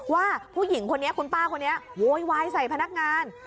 ว่าผู้หญิงคนนี้คุณป้าคนนี้โวยวายใส่พนักงาน